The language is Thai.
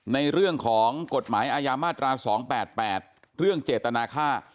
ในเรื่องของกฎหมายอาญามาตรา๒๘๘เรื่องเจตนาค่า